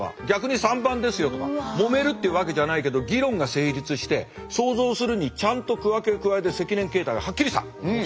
逆に「３番ですよ」とかもめるっていうわけじゃないけど議論が成立して想像するにちゃんと区分けを加えて責任形態がはっきりした。